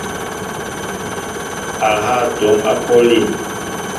A ha atɔm apuʼ alín.